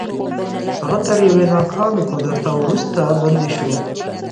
هغه تر یوې ناکامې کودتا وروسته بندي شو.